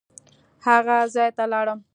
هغه ځای ته لاړم.